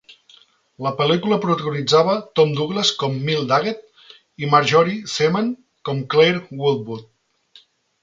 La pel·lícula protagonitzava Tom Douglas com Milt Daggett i Marjorie Seaman com Claire Boltwood.